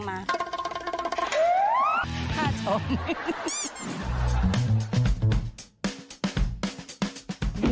ข้าชม